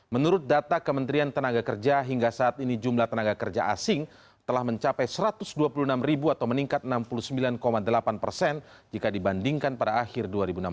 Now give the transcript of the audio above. menurut data kementerian tenaga kerja hingga saat ini jumlah tenaga kerja asing telah mencapai satu ratus dua puluh enam ribu atau meningkat enam puluh sembilan delapan persen jika dibandingkan pada akhir dua ribu enam belas